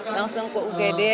langsung ke bgd